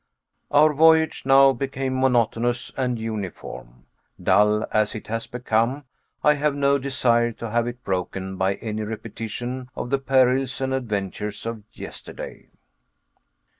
Our voyage now became monotonous and uniform. Dull as it has become, I have no desire to have it broken by any repetition of the perils and adventures of yesterday.